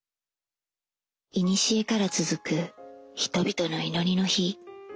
いにしえから続く人々の祈りの灯。